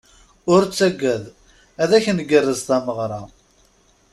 Ur ttagad, ad ak-ngerrez tameɣra.